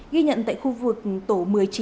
ghi nhận tại khu vực tổ một mươi chín